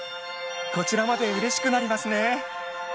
こちらまでうれしくなりますね。